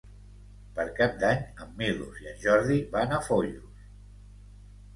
Per Cap d'Any en Milos i en Jordi van a Foios.